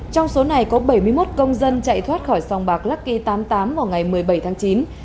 trong số này có bảy mươi một công dân chạy thoát khỏi sông bạc lắc kỳ tám mươi tám vào ngày một mươi bảy tháng chín